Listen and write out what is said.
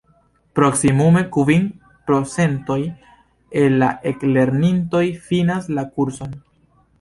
Proksimume kvin procentoj el la eklernintoj finas la kurson.